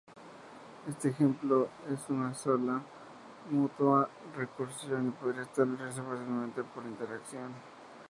Este ejemplo es una solo una mutua recursión, y podría establecerse fácilmente por interacción.